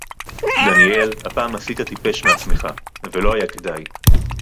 דניאל, הפעם עשית טיפש מעצמך, ולא היה כדאי